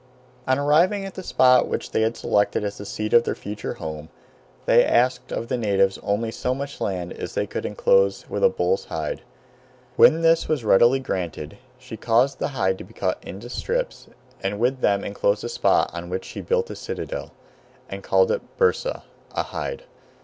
On arriving at the spot which they selected as the seat of their future home, they asked of the natives only so much land as they could enclose with a bull's hide. When this was readily granted, she caused the hide to be cut into strips, and with them enclosed a spot on which she built a citadel, and called it Byrsa (a hide).